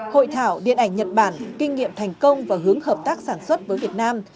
hội thảo điện ảnh nhật bản kinh nghiệm thành công và hướng hợp tác sản xuất với việt nam